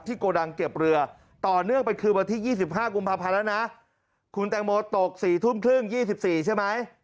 โกดังเก็บเรือต่อเนื่องไปคือวันที่๒๕กุมภาพันธ์แล้วนะคุณแตงโมตก๔ทุ่มครึ่ง๒๔ใช่ไหม